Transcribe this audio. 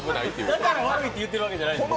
だから悪いと言ってるわけじゃないんですよ。